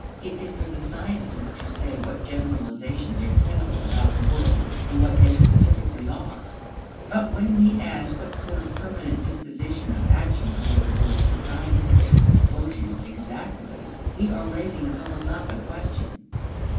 It is for the sciences to say what generalizations are tenable about the world and what they specifically are. But when we ask what sort of permanent disposition of action toward the world the scientific disclosures exact of us we are raising a philosophic question.